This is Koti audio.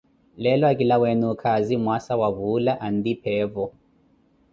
leelo akilaweene okaazi, mwaasa wa vuula and pheevo